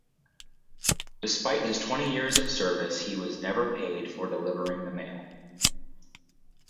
Despite his twenty years of service, he was never paid for delivering the mail.